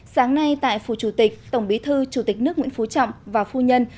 sáng nay tại phủ chủ tịch tổng bí thư chủ tịch nước nguyễn phú trọng và phu nhân